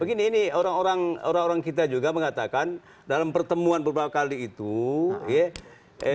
begini ini orang orang kita juga mengatakan dalam pertemuan beberapa kali itu ya